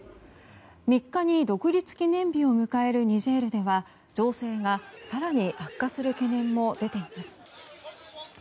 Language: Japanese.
３日に独立記念日を迎えるニジェールでは情勢が更に悪化する懸念も出ています。